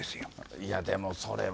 いやでも、それは。